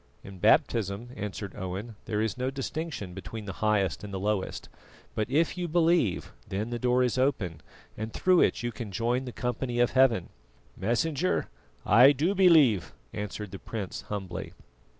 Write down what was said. "In baptism," answered Owen, "there is no distinction between the highest and the lowest; but if you believe, then the door is open and through it you can join the company of Heaven." "Messenger, I do believe," answered the prince humbly.